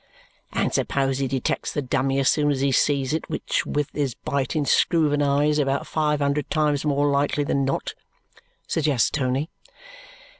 "And suppose he detects the dummy as soon as he sees it, which with his biting screw of an eye is about five hundred times more likely than not," suggests Tony.